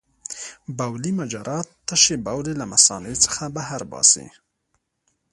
بولي مجرا تشې بولې له مثانې څخه بهر باسي.